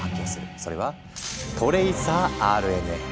それは「トレイサーＲＮＡ」。